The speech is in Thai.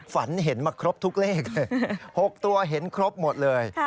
ฝันเห็นมาครบทุกเลขเลย๖ตัวเห็นครบหมดเลย